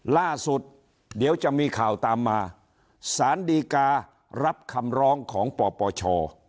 ล่าสุดเดี๋ยวจะมีข่าวตามมาสารดีการับคำร้องของปปช